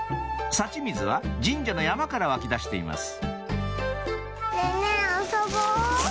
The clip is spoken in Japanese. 幸水は神社の山から湧き出しています